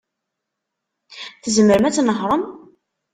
Tzemrem ad tnehṛem?